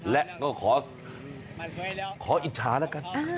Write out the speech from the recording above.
และก็ขออิจฉาแล้วกัน